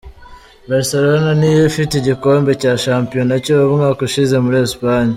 Barcelona ni yo ifite igikombe cya shampiyona cy'umwaka ushize muri Espanye.